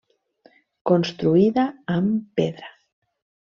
Construïda amb pedra.